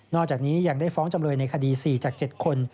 อกจากนี้ยังได้ฟ้องจำเลยในคดี๔จาก๗คน